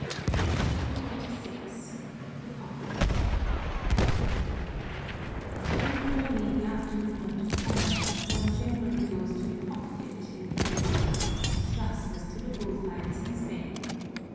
CHAPTER XLVI The Cockpit To keep holy the afternoon of the Sabbath one generally goes to the cockpit in the Philippines, just as to the bull fights in Spain.